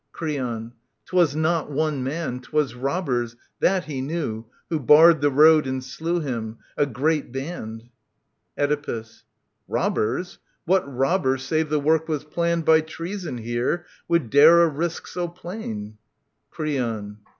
Creon. 'Twas not one man, *twas robbers — that he knew — Who barred the road and slew him : a great band. J Oedipus. p Robbers ?... What robber, save the work was J planned ; By treason here, would dare a risk so plain f Creon.